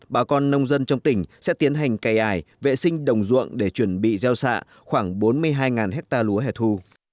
bà con nông dân trong tỉnh sẽ tiến hành cày ải vệ sinh đồng ruộng để chuẩn bị gieo xạ khoảng bốn mươi hai ha lúa hẻ thu